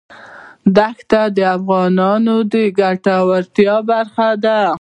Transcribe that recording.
دښتې د افغانانو د ګټورتیا برخه ده.